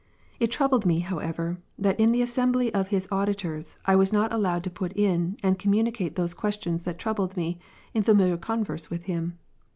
It troubled me, however, that in the assembly of his auditors, I was not allowed to put in, and communicate"^, those ques tions that troubled me, in familiar converse with him.